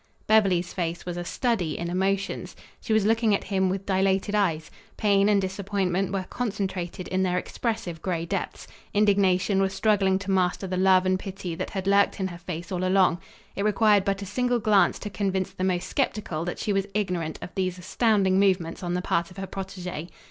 Beverly's face was a study in emotions. She was looking at him with dilated eyes. Pain and disappointment were concentrated in their expressive gray depths; indignation was struggling to master the love and pity that had lurked in her face all along. It required but a single glance to convince the most skeptical that she was ignorant of these astounding movements on the part of her protege.